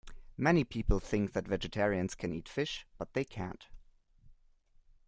Many people think that vegetarians can eat fish, but they can't